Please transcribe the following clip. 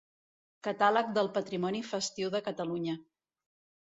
Catàleg del Patrimoni Festiu de Catalunya.